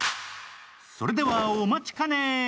それではお待ちかね！